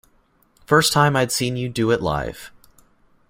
First time I'd seen you do it live.